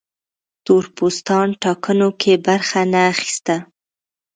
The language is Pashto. تور پوستان ټاکنو کې برخه نه اخیسته.